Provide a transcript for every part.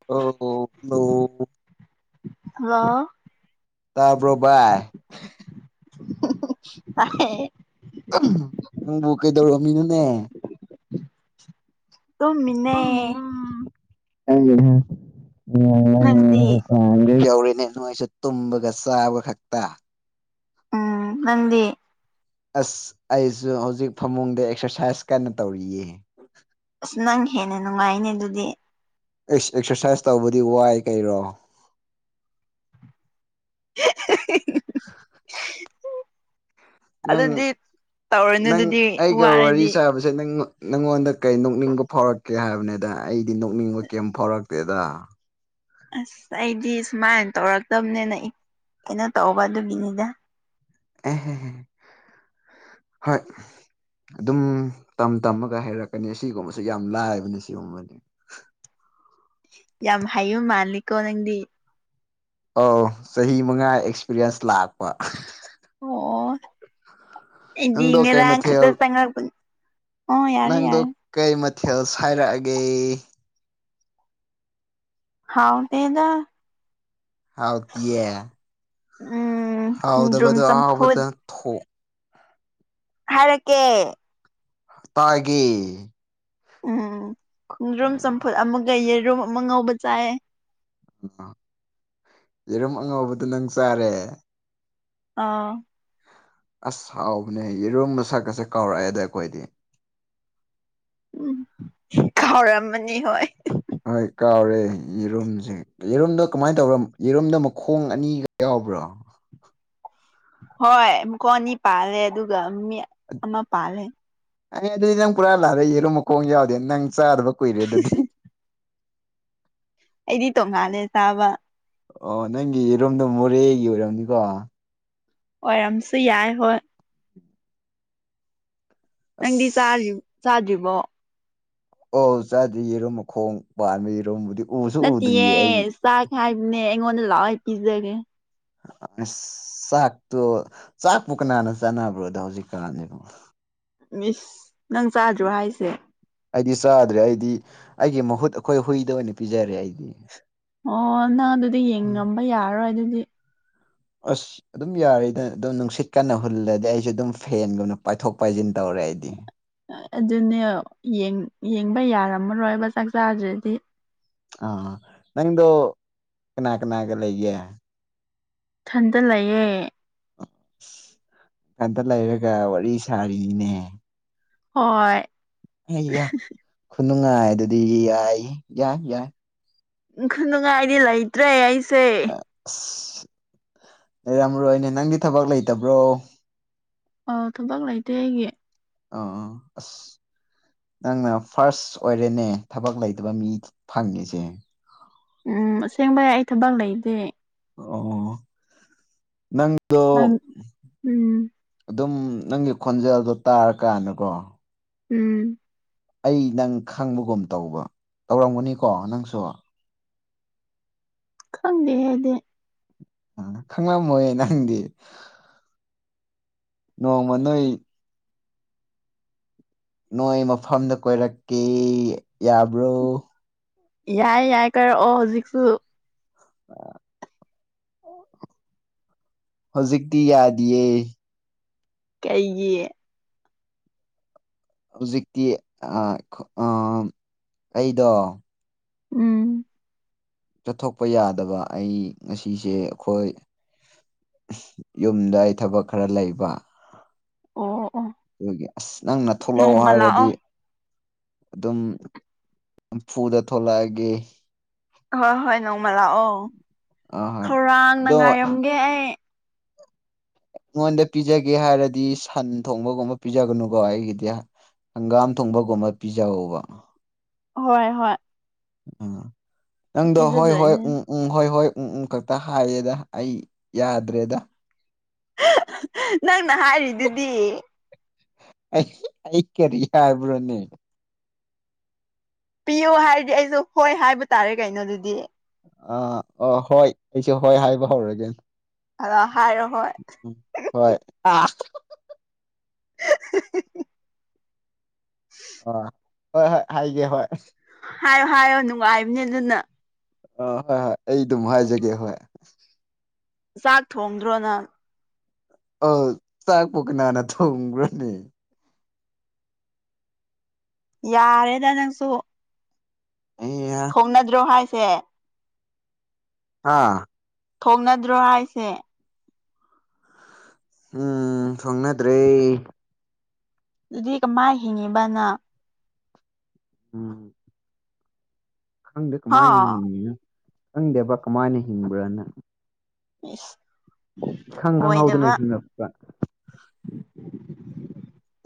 [unintelligible] hello ꯇꯥꯕ꯭ꯔꯣ ꯚꯥꯏ [unintelligible] ꯇꯥꯏꯌꯦ ꯅꯪꯕꯨ ꯀꯩꯗꯧꯔꯝꯃꯤꯅꯣꯅꯦ ꯇꯨꯝꯃꯤꯅꯦ [unintelligible] [unintelligible] ꯅꯪꯗꯤ ꯌꯧꯔꯤꯅꯦ ꯅꯣꯏꯁꯨ ꯇꯨꯝꯕꯒ ꯆꯥꯕ ꯈꯛꯇ ꯎꯝ ꯅꯪꯗꯤ ꯑꯁ ꯑꯩꯁꯨ ꯍꯧꯖꯤꯛ ꯐꯃꯨꯡꯗ ꯑꯦꯛꯁꯔꯁꯥꯏꯁ ꯀꯟꯅ ꯇꯧꯔꯤꯌꯦ ꯑꯁ ꯅꯪ ꯍꯦꯟꯅ ꯅꯨꯡꯉꯥꯏꯅꯦ ꯑꯗꯨꯗꯤ ꯑꯩꯁ ꯑꯦꯛꯁꯔꯁꯥꯏꯁ ꯇꯧꯕꯗꯤ ꯋꯥꯏ ꯀꯩꯅꯣ [unintelligible] [inaudible] ꯅꯪ ꯑꯗꯨꯗꯤ ꯇꯧꯔꯅꯨ ꯅꯪ ꯑꯗꯨꯗꯤ ꯑꯩꯒ ꯋꯥꯔꯤ ꯋꯥꯔꯗꯤ ꯁꯥꯕꯁꯦ ꯁꯦ ꯅꯪꯃꯛ ꯅꯦꯉꯣꯟꯗ ꯀꯩ ꯅꯣꯛꯅꯤꯡꯕ ꯐꯥꯎꯔꯛꯀꯦ ꯍꯥꯏꯕꯅꯦꯗ ꯑꯩꯗꯤ ꯅꯣꯛꯅꯤꯡꯕ ꯀꯩꯝ ꯐꯥꯎꯔꯛꯇꯦꯗ ꯑꯁ ꯑꯩꯗꯤ ꯁꯨꯃꯥꯏꯅ ꯇꯧꯔꯛꯇꯕꯅꯤꯅ ꯀꯩꯅꯣ ꯇꯧꯕ ꯑꯗꯨꯒꯤꯅꯤꯗ ꯎ ꯍ [unintelligible] ꯍ [unintelligible] ꯑꯗꯨꯝ ꯇꯝ ꯇꯝꯃꯒ ꯍꯩꯔꯛꯀꯅꯤ ꯑꯁꯤꯒꯨꯝꯕꯁꯦ ꯌꯥꯝ ꯂꯥꯏꯕꯅꯦ ꯁꯤꯒꯨꯝꯕꯗꯤ ꯌꯥꯝ ꯍꯥꯏꯌꯨꯝ ꯃꯥꯜꯂꯤꯀꯣ ꯅꯪꯗꯤ ꯑꯧ ꯆꯍꯤ ꯃꯉꯥ ꯑꯦꯛꯁꯄꯤꯔꯤꯌꯦꯟꯁ ꯂꯥꯛꯄ ꯑꯣ ꯅꯪꯗꯣ ꯑꯩꯗꯤ ꯀꯩ ꯉꯔꯥꯡ ꯃꯊꯦꯜ ꯈꯛꯇ ꯆꯉꯛꯄ ꯅꯪꯗꯣ ꯀꯩ ꯃꯊꯦꯜ ꯁꯥꯏꯔꯛꯑꯒꯦ ꯍꯥꯎꯇꯦꯗ ꯍꯥꯎꯇꯤꯌꯦ ꯎꯝ ꯈꯣꯡꯗ꯭ꯔꯨꯝ ꯍꯥꯎꯗꯕꯗꯣ ꯆꯝꯐꯨꯠ ꯑꯍꯥꯎꯕꯇ ꯊꯣꯛ ꯍꯥꯏꯔꯛ ꯀꯦ ꯇꯥꯏꯒꯦ ꯎꯝ ꯈꯣꯡꯗ꯭ꯔꯨꯝ ꯆꯝꯐꯨꯠ ꯑꯃꯒ ꯌꯦꯔꯨꯝ ꯑꯃ ꯉꯧꯕ ꯆꯥꯏꯌꯦ ꯌꯦꯔꯨꯝ ꯑꯉꯧꯕꯗꯣ ꯅꯪ ꯆꯥꯔꯦ ꯑꯥꯎ ꯑꯁ ꯍꯥꯎꯕꯅꯦ ꯌꯦꯔꯨꯝ ꯃꯁꯛꯀꯁꯦ ꯀꯥꯎꯔꯛꯑꯦꯗ ꯑꯩꯈꯣꯏꯗꯤ ꯎꯝ ꯀꯥꯎꯔꯝꯃꯅꯤ ꯍꯣꯏ ꯍꯣꯏ ꯀꯥꯎꯔꯦ ꯌꯦꯔꯨꯝꯖꯦ ꯌꯦꯔꯣꯝꯗꯣ ꯀꯃꯥꯏꯅ ꯇꯧꯔꯝ ꯌꯦꯔꯣꯝꯗ ꯃꯈꯣꯡ ꯑꯅꯤꯒ ꯌꯥꯎꯕ꯭ꯔꯣ ꯍꯣꯏ ꯃꯈꯣꯡ ꯑꯅꯤ ꯄꯥꯜꯂꯦ ꯑꯗꯨꯒ ꯃꯤ ꯑꯃ ꯄꯥꯜꯂꯦ ꯑꯩ ꯑꯗꯨꯗꯤ ꯅꯪ ꯄꯨꯔꯥ ꯂꯥꯜꯂꯦ ꯌꯦꯔꯨꯝ ꯃꯈꯣꯡ ꯌꯥꯎꯗꯦ ꯅꯪ ꯆꯥꯗꯕ ꯀꯨꯏꯔꯦ ꯑꯗꯨꯗꯤ ꯑꯩꯗꯤ ꯇꯣꯡꯉꯥꯜꯂꯦ ꯆꯥꯕ ꯑꯣ ꯅꯪꯒꯤ ꯌꯦꯔꯨꯝꯗꯣ ꯃꯣꯔꯦꯒꯤ ꯑꯣꯏꯔꯝꯅꯤꯀꯣ ꯑꯣꯏꯔꯝꯁꯨ ꯌꯥꯏ ꯍꯣꯏ ꯅꯪꯗꯤ ꯆꯥꯗ꯭ꯔꯤ ꯑꯁ ꯆꯥꯗ꯭ꯔꯤꯕꯣ ꯑꯣꯎ ꯆꯥꯗꯦ ꯌꯦꯔꯨꯝ ꯃꯈꯣꯡ ꯄꯥꯟꯕ ꯌꯦꯔꯨꯝꯕꯨꯗꯤ ꯎꯁꯨ ꯅꯠꯇꯤꯌꯦ ꯎꯗ꯭ꯔꯤꯌꯦ ꯑꯩ ꯆꯥꯛ ꯍꯥꯏꯕꯅꯦ ꯑꯩꯉꯣꯟꯗ ꯂꯥꯛꯑꯣ ꯑꯩ ꯄꯤꯖꯒꯦ ꯑꯁ ꯆꯥꯛꯇꯣ ꯆꯥꯛꯄꯨ ꯀꯅꯥꯅ ꯆꯥꯟꯅꯕ꯭ꯔꯣꯗꯥ ꯍꯧꯖꯤꯛꯀꯥꯟꯖꯤꯕꯣ ꯃꯤꯁ ꯅꯪ ꯆꯥꯗ꯭ꯔꯣ ꯍꯥꯏꯁꯦ ꯑꯩꯗꯤ ꯆꯥꯗ꯭ꯔꯦ ꯑꯩꯗꯤ ꯑꯩꯒꯤ ꯃꯍꯨꯠ ꯑꯩꯈꯣꯏ ꯍꯨꯏꯗ ꯑꯣꯏꯅ ꯄꯤꯖꯔꯦ ꯑꯩꯗꯤ ꯑꯣ ꯅꯪ ꯑꯗꯨꯗꯤ ꯎꯝ ꯌꯦꯡꯉꯝꯕ ꯌꯥꯔꯔꯣꯏ ꯑꯗꯨꯗꯤ ꯑꯁ ꯑꯗꯨꯝ ꯌꯥꯔꯤꯗ ꯑꯗꯨꯝ ꯅꯨꯡꯁꯤꯠ ꯀꯟꯅ ꯍꯨꯜꯂꯗꯤ ꯑꯩꯁꯨ ꯑꯗꯨꯝ ꯐꯦꯟꯒꯨꯝꯅ ꯄꯥꯏꯊꯣꯛ ꯄꯥꯏꯁꯤꯟ ꯇꯧꯔꯦ ꯑꯩꯗꯤ ꯑꯗꯨꯅꯦ ꯌꯦꯡ ꯌꯦꯡꯕ ꯌꯥꯔꯝꯃꯔꯣꯏꯕ ꯆꯥꯛ ꯆꯥꯗ꯭ꯔꯗꯤ ꯑ ꯅꯪꯗꯣ ꯀꯅꯥ ꯀꯅꯥꯒ ꯂꯩꯒꯦ ꯊꯟꯗ ꯂꯩꯌꯦ ꯊꯟꯗ ꯂꯩꯔꯒ ꯋꯥꯔꯤ ꯁꯥꯔꯤꯅꯤꯅꯦ ꯍꯣꯏ ꯑꯩ ꯌꯥ ꯈꯨꯅꯨꯡꯉꯥꯏ ꯗꯨꯗꯤ ꯌꯥꯏ ꯌꯥꯏ ꯌꯥꯏ ꯈꯨ ꯅꯨꯡꯉꯥꯏꯗꯤ ꯂꯩꯇ꯭ꯔꯦ ꯑꯩꯁꯦ ꯑꯁ ꯂꯩꯔꯝꯔꯣꯏꯅꯦ ꯅꯪꯗꯤ ꯊꯕꯛ ꯂꯩꯇꯕ꯭ꯔꯣ ꯑ ꯊꯕꯛ ꯂꯩꯇꯦ ꯑꯩꯒꯤ ꯑꯥ ꯑꯁ ꯅꯪꯅ ꯐꯥꯔꯁ ꯑꯣꯏꯔꯦꯅꯦ ꯊꯕꯛ ꯂꯩꯇꯕ ꯃꯤ ꯐꯪꯉꯁꯦ ꯎꯝ ꯑꯁꯦꯡꯕꯏ ꯑꯩ ꯊꯕꯛ ꯂꯩꯗꯦ ꯑꯣ ꯅꯪꯗꫭ ꯅꯪ ꯎꯝ ꯑꯗꯨꯝ ꯅꯪꯒꯤ ꯈꯣꯟꯖꯦꯜꯗꯣ ꯇꯥꯔꯀꯥꯟꯅꯀꯣ ꯎꯝ ꯑꯩ ꯅꯪ ꯈꯪꯕꯒꯨꯝ ꯇꯧꯕ ꯇꯧꯔꯝꯒꯅꯤꯀꯣ ꯅꯪꯁꯨ ꯈꯪꯗꯦꯍꯦ ꯑꯩꯗꯤ ꯑꯥ ꯈꯪꯂꯝꯃꯣꯏ ꯅꯪꯗꯤ ꯅꯣꯡꯃ ꯅꯣꯏ ꯅꯣꯏ ꯃꯐꯝꯗ ꯀꯣꯏꯔꯛꯀꯦ ꯌꯥꯕ꯭ꯔꯣ ꯌꯥꯏ ꯌꯥꯏ ꯀꯥꯏꯔꯛꯑꯣ ꯍꯧꯖꯤꯛꯁꯨ ꯍꯧꯖꯤꯛꯇꯤ ꯌꯥꯗꯦꯌꯦ ꯀꯩꯒꯤ ꯍꯧꯖꯤꯛꯇꯤ ꯑꯥ ꯑꯥ ꯑꯩꯗꯣ ꯎꯝ ꯆꯠꯊꯣꯛꯄ ꯌꯥꯗꯕ ꯑꯩ ꯉꯁꯤꯁꯦ ꯑꯈꯣꯏ ꯌꯨꯝꯗ ꯑꯩ ꯊꯕꯛ ꯈꯔ ꯂꯩꯕ ꯑꯣ ꯑꯣ ꯑꯗꯨꯒꯤ ꯑꯁ ꯅꯪꯅ ꯊꯣꯛꯂꯛꯑꯣ ꯅꯣꯡꯃ ꯍꯥꯏꯔꯗꯤ ꯂꯥꯛꯑꯣ ꯑꯗꯨꯝ ꯍꯝꯐꯨꯗ ꯊꯂꯛꯑꯒꯦ ꯍꯣꯏ ꯍꯣꯏ ꯅꯣꯡꯃ ꯂꯥꯛꯑꯣ ꯑꯥ ꯍꯣꯏ ꯈꯧꯔꯥꯡꯅ ꯑꯗꯣ ꯉꯥꯏꯔꯝꯒꯦ ꯑꯩ ꯑꯩꯉꯣꯟꯗ ꯄꯤꯖꯒꯦ ꯍꯥꯏꯔꯗꯤ ꯁꯟ ꯊꯣꯡꯕꯒꯨꯝꯕ ꯄꯤꯖꯒꯅꯨꯀꯣ ꯑꯩꯒꯤꯗꯤ ꯍꯪꯒꯥꯝ ꯊꯣꯡꯕꯒꯨꯝꯕ ꯄꯤꯖꯧꯕ ꯍꯣꯏ ꯍꯣꯏ ꯎꯝ ꯅꯪꯗ ꯍꯣꯏ ꯍꯣꯏ ꯄꯤꯖꯗꯣꯏꯅꯦ ꯎꯝ ꯎꯝ ꯍꯣꯏ ꯍꯣꯏ ꯎꯝ ꯎꯝ ꯈꯛꯇ ꯍꯥꯏꯌꯦꯗ ꯑꯩ ꯌꯥꯗ꯭ꯔꯦꯗ ꯅꯪꯅ ꯍꯥꯏꯔꯤꯗꯨꯗꯤ ꯑꯩ ꯑꯩ ꯀꯦꯔꯤ ꯍꯥꯏꯕ꯭ꯔꯣꯅꯦ ꯄꯤꯌꯣ ꯍꯥꯏꯔꯗꯤ ꯑꯩꯁꯨ ꯍꯣꯏ ꯍꯥꯏꯕ ꯇꯥꯔꯦ ꯀꯩꯅꯣ ꯑꯗꯨꯗꯤ ꯑꯥ ꯑꫭ ꯍꯣꯏ ꯑꯩꯁꯨꯦ ꯍꯣꯏ ꯍꯥꯏꯕ ꯍꯧꯔꯒꯦ ꯑꯗꯣ ꯍꯥꯏꯔꯣ ꯍꯣꯏ ꯎꯝ ꯍꯣꯏ ꯑꯥ [inaudible] ꯑ ꯍꯣꯏ ꯍꯣꯏ ꯍꯥꯏꯒꯦ ꯍꯣꯏ ꯍꯥꯏꯌꯣ ꯍꯥꯏꯌꯣ ꯅꯨꯡꯉꯥꯏꯕꯅꯦ ꯑꯗꯨꯅ ꯑꯥ ꯍꯣꯏ ꯍꯣꯏ ꯑꯩ ꯑꯗꯨꯝ ꯍꯥꯏꯖꯒꯦ ꯍꯣꯏ ꯆꯥꯛ ꯊꯣꯡꯗ꯭ꯔꯣ ꯅꯪ ꯑꯥ ꯆꯥꯛꯄꯣꯛꯄꯨ ꯀꯅꯥꯟꯅ ꯊꯣꯡꯈ꯭ꯔꯅꯦ ꯌꯥꯔꯦꯗ ꯅꯪꯁꯨ ꯑꯩ ꯊꯣꯡꯅꯗ꯭ꯔꯣ ꯍꯥꯏꯁꯦ ꯍꯥ ꯊꯣꯛꯅꯗ꯭ꯔꯣ ꯍꯥꯏꯁꯦ ꯎꯝ ꯊꯣꯡꯅꯗ꯭ꯔꯦ ꯑꯗꯨꯗꯤ ꯀꯃꯥꯏ ꯍꯤꯡꯉꯤꯕ ꯅꯪ ꯎꯝ ꯈꯪꯗꯦ ꯍꯥ ꯀꯃꯥꯏ ꯍꯤꯡꯉꯤꯅ ꯈꯪꯗꯕ ꯀꯃꯥꯏꯅ ꯍꯤꯡꯕ꯭ꯔꯥꯅ ꯏꯁ ꯏꯈꯪ ꯈꯪꯍꯧꯗꯅ ꯑꯣꯏꯗꯕ ꯍꯤꯡꯉꯛꯄ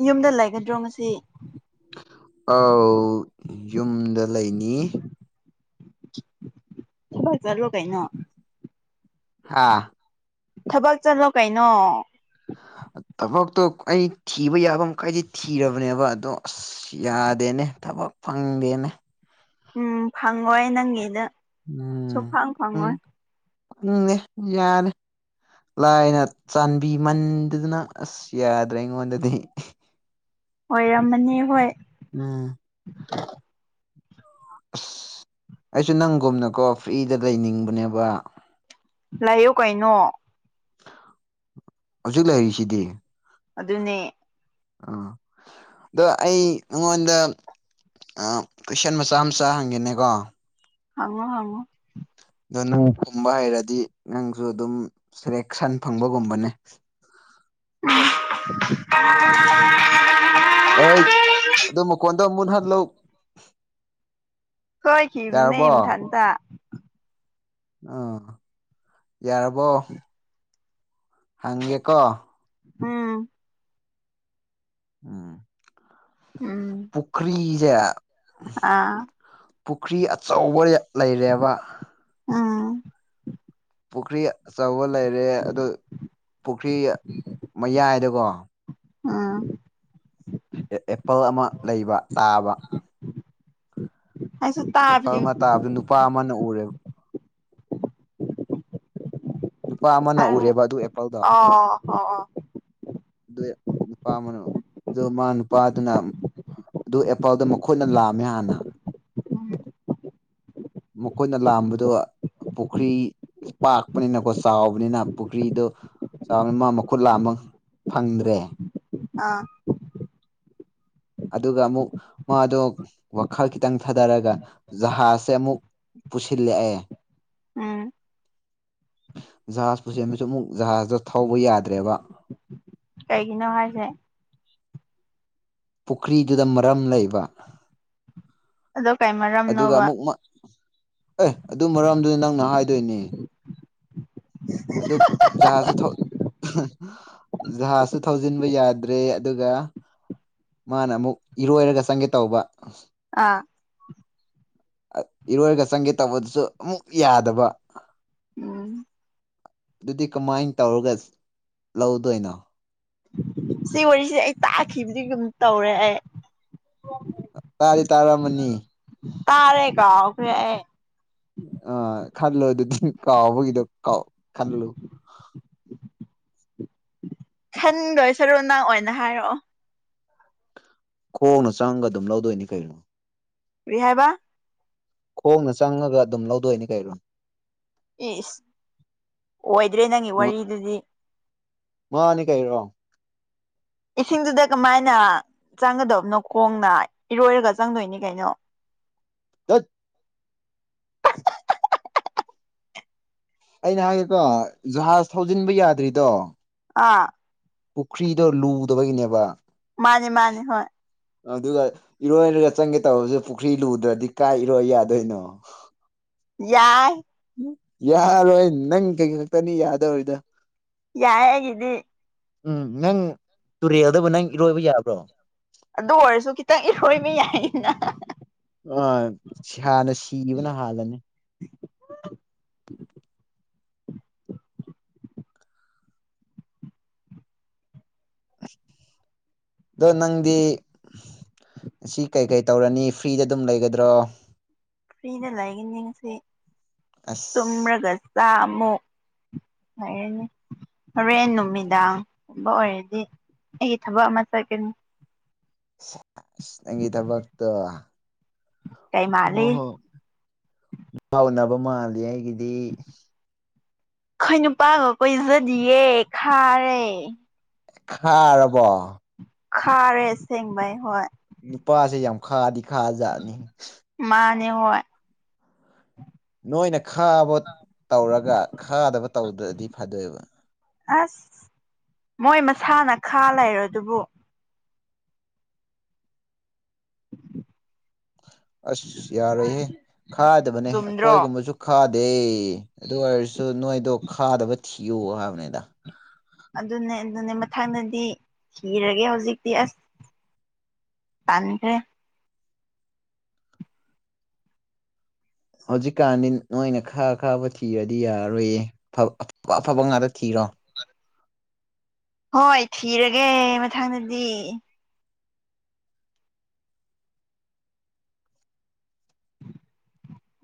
ꯌꯨꯝꯗ ꯂꯩꯒꯗ꯭ꯔꯣ ꯉꯁꯤ ꯑꯧ ꯌꯨꯝꯗ ꯂꯩꯅꯤ ꯊꯕꯛ ꯆꯠꯂꯣ‌‌ ꯀꯩꯅ‌ꯣ ꯍꯥ ꯊꯕꯛ ꯆꯠꯂꯣ ꯀꯩꯅꯣ ꯊꯕꯛꯇꯣ ꯑꯩ ꯊꯤꯕ ꯌꯥꯕ ꯃꯈꯩꯗꯤ ꯊꯤꯔꯕꯅꯦꯕ ꯑꯗꯣ ꯑꯁ ꯌꯥꯗꯦꯅꯦ ꯊꯕꯛ ꯐꯪꯗꯦꯅꯦ ꯎꯝ ꯐꯪꯉꯣꯏ ꯅꯪꯒꯤꯗ ꯁꯨꯡ ꯎꯝ ꯐꯪ ꯎꯝ ꯐꯪꯉꯣꯏ ꯈꯪꯗꯦ ꯌꯥꯗꯦ ꯂꯥꯏꯅ ꯆꯥꯟꯕꯤꯃꯟꯗꯗꯅ ꯑꯁ ꯌꯥꯗ꯭ꯔꯦ ꯑꯩꯉꯣꯟꯗꯗꯤ ꯑꯣꯏꯔꯝꯃꯅꯤ ꯍꯣꯏ ꯎꯝ [inaudible] ꯑꯁ ꯑꯩꯁꯨ ꯅꯪꯒꯨꯝꯅꯀꯣ ꯐ꯭ꯔꯤꯗ ꯂꯩꯅꯤꯡꯕꯅꯦꯕ ꯂꯩꯥꯌꯨ ꯀꯩꯅꯣ ꯍꯧꯖꯤꯛ ꯂꯩꯔꯤꯁꯤꯗꯤ ꯑꯗꯨꯅꯦ ꯎ ꯑꯗꯣ ꯑꯩ ꯅꯪꯉꯣꯟꯗ ꯑ ꯀꯨꯏꯁꯟ ꯃꯆꯥ ꯃꯆꯥ ꯍꯪꯒꯦꯅꯦꯀꯣ ꯍꯪꯉꯣ ꯍꯪꯉꯣ ꯑꯗꯣ ꯅꯪ ꯈꯨꯝꯕ ꯍꯩꯔꯗꯤ ꯅꯪꯁꯨ ꯑꯗꯨꯝ ꯁꯦꯂꯦꯛꯁꯟ ꯐꯪꯕꯒꯨꯝꯕꯅꯦ [unintelligible] ꯑ‌ꯣꯏ ꯑꯗꯨ ꯃꯈ‌ꯣꯟꯗꯨ ꯃꯨꯊꯠꯂꯨ [unintelligible] ꯁꯣꯏꯈꯤꯕꯅ‌ꯦ ꯌꯥꯔꯕꯣ ꯃꯊꯟꯇ ꯑꯣ ꯌꯥꯔꯕꯣ ꯍꯪꯒ‌ꯦꯀꯣ ꯎꯝ ꯎꯝ ꯎꯝ ꯄꯨꯈ꯭ꯔꯤ ꯁ‌ꯦ ꯑꯥ ꯄꯨꯈ꯭ꯔꯤ ꯑꯆꯧꯕ ꯂꯩꯔꯦꯕ ꯎꯝ ꯄꯨꯈ꯭ꯔꯤ ꯑꯆꯧꯕ ꯂꯩꯔꯦ ꯑꯗꯣ ꯄꯨꯈ꯭ꯔꯤ ꯃꯌꯥꯏꯗꯀꯣ ꯑꯥ ꯑꯦꯄꯜ ꯑꯃ ꯂꯩꯕ ꯇꯥꯕ ꯑꯩꯁꯨ ꯇꯥꯕꯤ ꯑꯦꯄꯜ ꯑꯃ ꯇꯥꯕꯗ ꯅꯨꯄꯥ ꯑꯃꯅ ꯎꯔꯦꯕ ꯅꯨꯄꯥ ꯑꯃꯅ ꯑꯣ ꯎꯔꯦꯕ ꯑꯗꯨ ꯑꯦꯄꯜꯗꯣ ꯑꯣ ꯑꯣ ꯑꯗꯨ ꯅꯨꯄꯥ ꯑꯃꯅ ꯑꯗꯨ ꯃꯥ ꯅꯨꯄꯥꯗꯨꯅ ꯑꯗꯨ ꯑꯦꯄꯥꯜꯗꯣ ꯃꯈꯣꯏꯅ ꯂꯥꯝꯃꯦ ꯍꯥꯟꯅ ꯎꯝ ꯃꯈꯣꯏꯅ ꯂꯥꯝꯕꯗꯣ ꯄꯨꯈ꯭ꯔꯤ ꯄꯥꯛꯄꯅꯤꯅꯀꯣ ꯆꯥꯎꯕꯅꯤꯅ ꯄꯨꯈ꯭ꯔꯤꯗꯣ ꯆꯥꯎ [unintelligible] ꯃ ꯃꯈꯨꯠ ꯂꯥꯝꯕ ꯐꯪꯗ꯭ꯔꯦ ꯑꯥ ꯑꯗꯨꯒ ꯑꯃꯨꯛ ꯃꯥꯗꯣ ꯋꯥꯈꯜ ꯈꯤꯇꯪ ꯊꯥꯗꯔꯒ ꯖꯍꯖꯁꯦ ꯑꯃꯨꯛ ꯄꯨꯁꯤꯜꯂꯛꯑ‌ꯦ ꯎꯝ ꯖꯍꯥꯖ ꯄꯨꯁꯤꯟꯕꯁꯨ ꯑꯃꯨꯛ ꯖꯍꯥꯖꯇ‌ꯣ ꯊꯧꯕ ꯌꯥꯗ꯭ꯔꯦꯕ ꯀꯩꯒꯤꯅꯣ ꯍꯥꯏꯁꯦ ꯄꯨꯈ꯭ꯔꯤꯗꯨꯗ ꯃꯔꯝ ꯂꯩꯕ ꯑꯗꯣ ꯀꯩ ꯑꯗꯨꯒ ꯃꯔꯝꯅꯣꯕ ꯑꯃꯨꯛ ꯃꯥ ꯑꯦ ꯑꯗꯨ ꯃꯔꯝꯗꯨꯗꯤ ꯅꯪꯅ ꯍꯥꯏꯗꯣꯏꯅꯦ ꯑꯗꯨ ꯖꯥꯍꯁꯁꯨ ꯊꯧ ꯖꯍꯥꯁꯨ ꯊꯧꯖꯤꯟꯕ ꯌꯥꯗ꯭ꯔꯦ ꯑꯗꯨꯒ ꯃꯥꯅ ꯑꯃꯨꯛ ꯏꯔꯣꯏꯔꯒ ꯆꯪꯒꯦ ꯇꯧꯕ ꯑꯥ ꯏꯔꯣꯏꯔꯒ ꯆꯪꯒꯦ ꯇꯧꯕꯗꯨꯁꯨ ꯑꯃꯨꯛ ꯌꯥꯗꯕ ꯎꯝ ꯑꯗꯨꯗꯤ ꯀꯃꯥꯏꯅ ꯇꯧꯔꯒ ꯂꯧꯗꯣꯏꯅꯣ ꯁꯤ ꯋꯥꯔꯤꯁꯦ ꯑꯩ ꯇꯥꯛꯈꯤꯕꯗꯤ ꯑꯗꯨꯝ ꯇꯧꯔꯦ ꯑꯩ ꯇꯥꯗꯤ ꯇꯥꯔꯝꯃꯅꯤ ꯇꯥꯔꯦ ꯀꯧꯈꯔꯦ ꯑꯩ ꯑ ꯈꯜꯂꯨ ꯑꯗꯨꯗꯤ ꯀꯥꯎꯕꯒꯤꯗꯣ ꯀꯥꯎ ꯈꯜꯂꯨ ꯈꯟꯗꯣꯏ ꯁꯔꯨꯅꯪ ꯑꯣꯏꯅ ꯍꯥꯏꯔꯛꯑꯣ ꯈꯣꯡꯅ ꯆꯪꯉꯒ ꯑꯗꯨꯝ ꯂꯧꯗꯣꯏꯅꯤ ꯀꯩꯅꯣ ꯀꯔꯤꯍꯥꯏꯕ ꯈꯣꯡꯅ ꯆꯪꯉꯒ ꯑꯗꯨꯝ ꯂꯧꯗꯣꯏꯅꯤ ꯀꯩꯅꯣ ꯏꯁ ꯑꯣꯏꯗ꯭ꯔꯦ ꯅꯪꯒꯤ ꯋꯥꯔꯤꯗꯨꯗꯤ ꯃꯥꯅꯤ ꯀꯩꯔꯣ ꯏꯁꯤꯡꯗꯨꯗ ꯀꯃꯥꯏꯅ ꯆꯪꯒꯗꯕꯅꯣ ꯈꯣꯡꯅ ꯏꯔꯣꯏꯔꯒ ꯆꯪꯗꯣꯏꯅꯤ ꯀꯩꯅꯣ ꯗꯠ [unintelligible] ꯑꯩꯅ ꯍꯥꯏꯒꯦꯀꯣ ꯖꯨꯍꯥꯖ ꯊꯧꯖꯤꯟꯕ ꯌꯥꯗ꯭ꯔꯤꯗꯣ ꯑꯥ ꯄꯨꯈ꯭ꯔꯤꯗꯣ ꯂꯨꯗꯕꯒꯤꯅꯦꯕ ꯃꯥꯅꯦ ꯃꯥꯅꯦ ꯍꯣꯏ ꯑꯗꯨꯒ ꯏꯔꯣꯏꯔꯒ ꯆꯪꯒꯦ ꯇꯧꯕꯔꯁꯨ ꯄꯨꯈ꯭ꯔꯤ ꯂꯨꯗ꯭ꯔꯗꯤ ꯀꯥꯏ ꯏꯔꯣꯏ ꯌꯥꯗꯣꯏꯅꯣ ꯌꯥꯏ ꯌꯥꯔꯣꯏ ꯅꯪ ꯀꯩ ꯈꯛꯇꯅꯤ ꯌꯥꯗꯧꯔꯤꯗ ꯌꯥꯏ ꯑꯩꯒꯤꯗꯤ ꯎꯝ ꯅꯪ ꯇꯨꯔꯦꯜꯗꯕꯨ ꯅꯪ ꯏꯔꯣꯏꯕ ꯌꯥꯕ꯭ꯔꯣ ꯑꯗꯨ ꯑꯣꯏꯔꯁꯨ ꯈꯤꯇꯪ ꯏꯔꯣꯏꯕ ꯌꯥꯏꯅꯤꯅ ꯑ ꯍꯥꯟꯅ ꯁꯤꯈꯤꯕꯅ ꯍꯥꯜꯂꯅꯤ ꯑꯗꯣ ꯅꯪꯗꯤ ꯁꯤ ꯀꯩ ꯀꯩ ꯇꯧꯔꯅꯤ ꯐ꯭ꯔꯤꯗ ꯑꯗꯨꯝ ꯂꯩꯒꯗ꯭ꯔꯣ ꯐ꯭ꯔꯤꯗ ꯂꯩꯒꯅꯤ ꯉꯥꯁꯤ ꯑꯁ ꯇꯨꯝꯔꯒ ꯆꯥꯃꯨꯛ ꯂꯩꯔꯅꯤ ꯍꯣꯔꯦꯟ ꯅꯨꯃꯤꯗꯥꯡꯒꯨꯝꯕ ꯑꯣꯏꯔꯗꯤ ꯑꯩꯒꯤ ꯊꯕꯛ ꯑꯃ ꯆꯠꯀꯅꯤ ꯅꯪꯒꯤ ꯊꯕꯛꯇꯣ ꯀꯩ ꯍꯣ ꯃꯥꯜꯂꯤ ꯍꯣ ꯅꯨꯄꯥ ꯎꯅꯕ ꯃꯥꯜꯂꯤ ꯑꯩꯒꯤꯗꯤ ꯑꯩꯈꯣꯏ ꯅꯨꯄꯥꯒ ꯀꯣꯏꯖꯗꯤꯌꯦ ꯈꯥꯔꯦ ꯈꯥꯔꯕꯣ ꯈꯥꯔꯦ ꯑꯁꯦꯡꯕꯩ ꯍꯣꯏ ꯅꯨꯄꯥꯁꯦ ꯌꯥꯝ ꯈꯥꯗꯤ ꯈꯥꯖꯥꯠꯅꯤꯍꯦ ꯃꯥꯅꯦ ꯍꯣꯏ ꯅꯣꯏꯅ ꯈꯥꯕ ꯇꯧꯔꯒ ꯈꯥꯗꯕ ꯇꯧꯗ꯭ꯔꯗꯤ ꯐꯗꯣꯏꯕ ꯑꯁ ꯃꯣꯏ ꯃꯁꯥꯅ ꯈꯥ ꯂꯩꯔꯗꯨꯕꯨ ꯑꯁ ꯌꯥꯔꯣꯏꯍꯦ ꯈꯥꯗꯕꯅꯦ ꯆꯨꯝꯗ꯭ꯔꯣ ꯑꯩꯈꯣꯏꯒꯨꯝꯕꯁꯨ ꯈꯥꯗꯦ ꯑꯗꯨ ꯑꯣꯏꯔꯁꯨ ꯅꯣꯏꯗꯣ ꯈꯥꯗꯕ ꯊꯤꯌꯨ ꯍꯥꯏꯕꯅꯤꯗ ꯑꯗꯨꯅꯦ ꯑꯗꯨꯅꯦ ꯃꯊꯪꯗꯗꯤ ꯊꯤꯔꯒꯦ ꯍꯧꯖꯤꯛꯇꯤ ꯑꯁ ꯇꯟꯈ꯭ꯔꯦ ꯍꯧꯖꯤꯛꯀꯥꯟꯗꯤ ꯅꯣꯏꯅ ꯈꯥ ꯈꯥꯕ ꯊꯤꯔꯗꯤ ꯌꯥꯔꯔꯣꯏꯌꯦ ꯑꯐꯕ ꯑꯐ ꯑꯐꯕ ꯉꯥꯛꯇ ꯊꯤꯔꯣ ꯍꯣꯏ ꯊꯤꯔꯒꯦ ꯃꯊꯪꯗꯗꯤ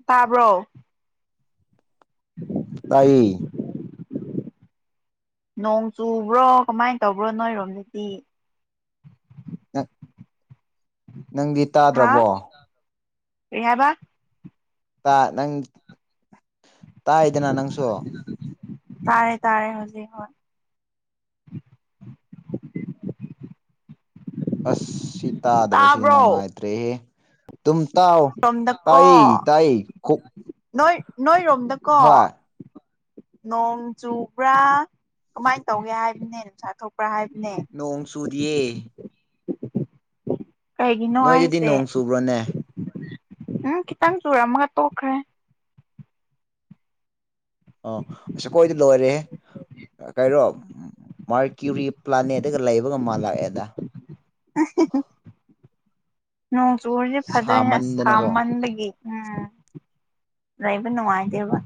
ꯇꯥꯕ꯭ꯔꯣ ꯇꯥꯏꯌꯦ ꯅꯣꯡ ꯆꯨꯕ꯭ꯔꯣ ꯀꯃꯥꯏꯅ ꯇꯧꯕ꯭ꯔꯣ ꯅꯣꯏꯔꯣꯝꯗꯗꯤ ꯅꯪ ꯅꯪꯗꯤ ꯍꯥ ꯇꯥꯗ꯭ꯔꯕꯣ ꯀ꯭ꯔꯤ ꯍꯥꯢꯕ ꯇꯥ ꯅꯪ ꯇꯥꯏꯗꯅ ꯅꯪꯁꯨ ꯇꯥꯔꯦ ꯇꯥꯔꯦ ꯍꯧꯖꯤꯛ ꯍꯣꯢ ꯑꯁ ꯁꯤ ꯇꯥꯗꯕꯁꯦ ꯇꯥꯕ꯭ꯔꯣ ꯅꯨꯡꯉꯥꯏꯇ꯭ꯔꯦꯍꯦ ꯇꯨꯝ ꯇꯥꯎ ꯔꯣꯝꯗꯀꯣ ꯇꯥꯏꯌꯦ ꯇꯥꯏꯌꯦ ꯈꯨꯛ ꯅꯣꯏ ꯅꯣꯏꯔꯣꯝꯗꯀꯣ ꯅꯣꯡ ꯆꯨꯕ꯭ꯔꯥ ꯀꯃꯥꯏꯅ ꯇꯧꯒꯦ ꯍꯥꯏꯕꯅꯦ ꯅꯨꯡꯁꯥ ꯊꯣꯛꯄ꯭ꯔꯥ ꯍꯥꯏꯕꯅꯦ ꯅꯣꯡ ꯆꯨꯗꯤꯌꯦ ꯀꯩꯒꯤꯅꯣ ꯅꯣꯏꯗꯗꯤ ꯍꯥꯏꯁꯦ ꯅꯣꯡ ꯆꯨꯕ꯭ꯔꯣꯅꯦ ꯎꯝ ꯈꯤꯇꯪ ꯆꯨꯔꯝꯃꯒ ꯇꯣꯛꯈ꯭ꯔꯦ ꯑꯣ ꯑꯁ ꯑꯈꯣꯏꯗꯤ ꯂꯣꯏꯔꯦꯍꯦ ꯑ ꯀꯩꯅꯣ ꯃꯥꯔꯀ꯭ꯌꯨꯔꯤ ꯄ꯭ꯂꯥꯅꯦꯠꯇꯒ ꯂꯩꯕꯒ ꯃꯥꯜꯂꯛꯑꯦꯗ ꯑ ꯍꯦ ꯍꯦ ꯅꯣꯡ ꯆꯨꯔꯗꯤ ꯐꯗꯣꯢꯅꯦ ꯑꯁ ꯁꯥꯃꯟꯗꯅꯀꯣ ꯁꯥꯃꯟꯕꯒꯤ ꯎꯝ ꯂꯩꯕ ꯅꯨꯡꯉꯥꯏꯇꯦꯕ